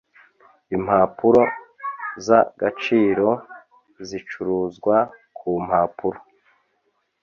impapuro z agaciro zicuruzwa kumpapuro